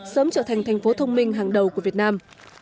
sớm trở thành thành phố thông minh hàng đầu của việt nam